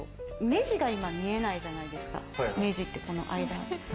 目地が今見えないじゃないですか、この間。